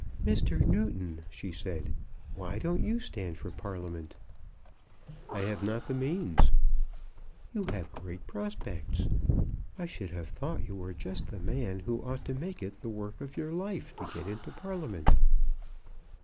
"Mr. Newton," she said, "why don't you stand for Parliament?" "I have not the means." "You have great prospects. I should have thought you were just the man who ought to make it the work of your life to get into Parliament."